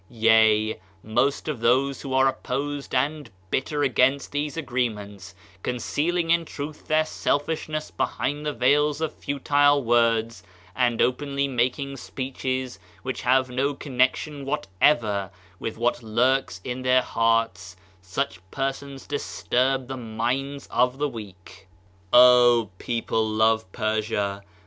Yea, most of those who are opposed and bitter against these agreements, concealing in truth their selfishness behind the veils of futile words and openly making speeches which have no connection whatever with what lurks in their hearts; such persons disturb the minds of the weak. O people of Persia!